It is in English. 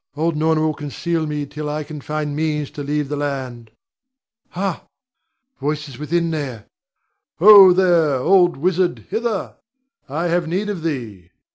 Old Norna will conceal me till I can find means to leave the land. Ha! voices within there. Ho, there! old wizard, hither! I have need of thee!